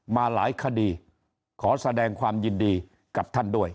มาหลายคดีขอแสดงความยินดีกับท่านด้วย